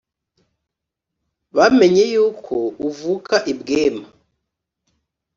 bamenye yuko uvuka i bwema.